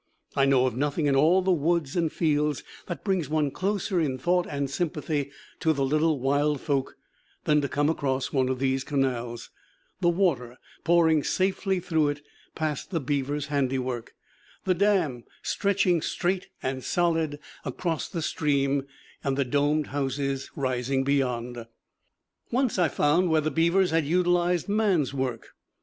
I know of nothing in all the woods and fields that brings one closer in thought and sympathy to the little wild folk than to come across one of these canals, the water pouring safely through it past the beaver's handiwork, the dam stretching straight and solid across the stream, and the domed houses rising beyond. Once I found where the beavers had utilized man's work.